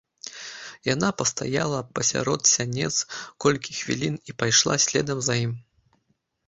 Яна пастаяла пасярод сянец колькі хвілін і пайшла следам за ім.